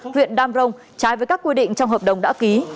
huyện đam rồng trái với các quy định trong hợp đồng đã ký